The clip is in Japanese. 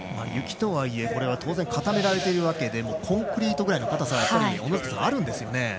雪とはいえ当然、固められているわけでコンクリートぐらいのかたさがあるんですよね。